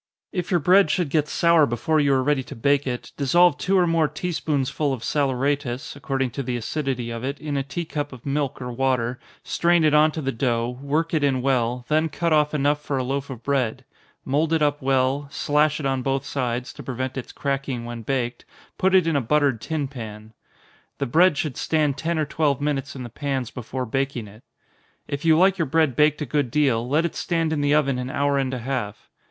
If your bread should get sour before you are ready to bake it, dissolve two or more tea spoonsful of saleratus (according to the acidity of it) in a tea cup of milk or water, strain it on to the dough, work it in well then cut off enough for a loaf of bread mould it up well, slash it on both sides, to prevent its cracking when baked put it in a buttered tin pan. The bread should stand ten or twelve minutes in the pans before baking it. If you like your bread baked a good deal, let it stand in the oven an hour and a half.